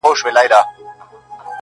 • یا په رپ کي یې د سترګو یې پلورلی -